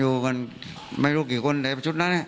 อยู่กันไม่รู้กี่คนในชุดนั้น